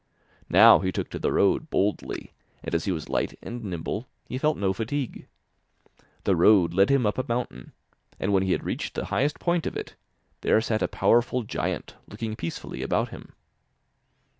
Now he took to the road boldly, and as he was light and nimble, he felt no fatigue. The road led him up a mountain, and when he had reached the highest point of it, there sat a powerful giant looking peacefully about him.